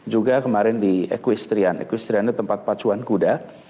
juga kemarin di equestrian ekustrian itu tempat pacuan kuda